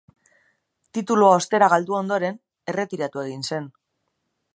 Titulua ostera galdu ondoren, erretiratu egin zen.